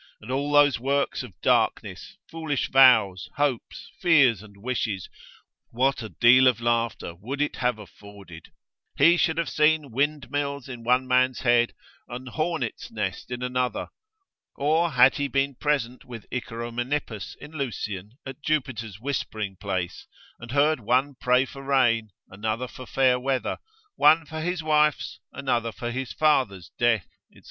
and all those works of darkness, foolish vows, hopes, fears and wishes, what a deal of laughter would it have afforded? He should have seen windmills in one man's head, an hornet's nest in another. Or had he been present with Icaromenippus in Lucian at Jupiter's whispering place, and heard one pray for rain, another for fair weather; one for his wife's, another for his father's death, &c.